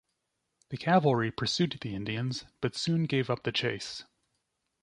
The cavalry pursued the Indians, but soon gave up the chase.